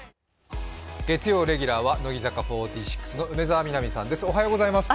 月曜レギュラーは乃木坂４６の梅澤美波さんです。